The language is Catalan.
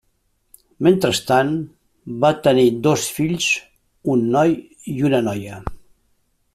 Mentrestant va tenir dos fills, un noi i una noia.